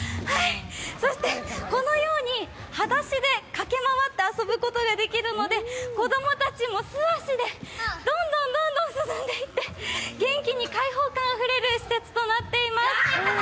そして、このようにはだしで駆け回って遊ぶことができるので子供たちも素足で、どんどん進んでいって、元気に開放感あふれる施設となっています。